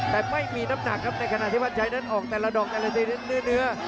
แต่ไม่มีน้ำหนักครับในขณะที่วัดชัยนั้นออกแต่ละดอกแต่ละเนื้อ